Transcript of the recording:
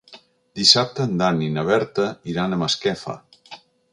Dissabte en Dan i na Berta iran a Masquefa.